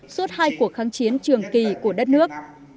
suốt hai cuộc kháng chiến trường kỳ của đất nước